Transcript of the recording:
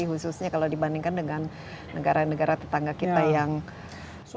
khususnya kalau dibandingkan dengan negara negara tetangga kita yang sudah